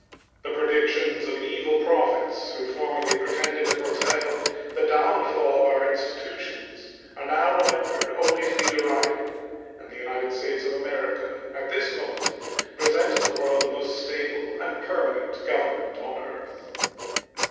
The predictions of evil prophets, who formerly pretended to foretell the downfall of our institutions, are now remembered only to be derided, and the United States of America at this moment present to the world the most stable and permanent Government on earth.